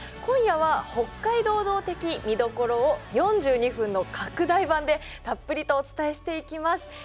今夜は「北海道道」的見どころを４２分の拡大版でたっぷりとお伝えしていきます。